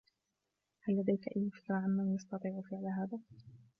هل لديك اي فكرة عن من يستطيع فعل هذا؟